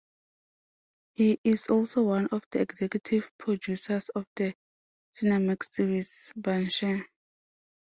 He is also one of the executive producers of the Cinemax series "Banshee".